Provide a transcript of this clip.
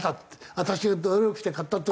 「私が努力して買ったとこ」。